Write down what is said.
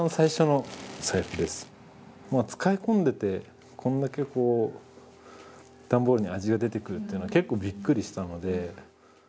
もう使い込んでてこんだけこう段ボールに味が出てくるっていうのは結構びっくりしたので。